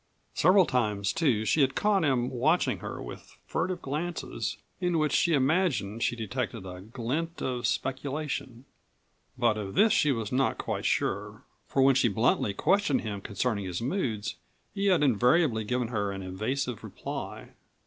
Several times, too, she had caught him watching her with furtive glances in which, she imagined, she detected a glint of speculation. But of this she was not quite sure, for when she bluntly questioned him concerning his moods he had invariably given her an evasive reply.